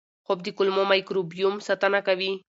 خوب د کولمو مایکروبیوم ساتنه کوي.